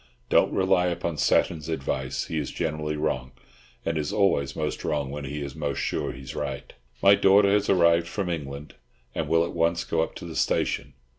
Don't rely upon Satton's advice. He is generally wrong, and is always most wrong when he is most sure he is right. My daughter has arrived from England, and will at once go up to the station.